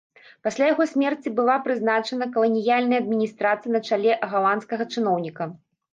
Пасля яго смерці была прызначана каланіяльная адміністрацыя на чале галандскага чыноўніка.